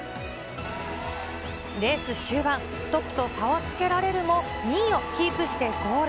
レース終盤、トップと差をつけられるも、２位をキープしてゴール。